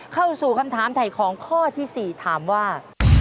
เข้าสู่คำถามถ่ายของข้อที่๔ถามว่า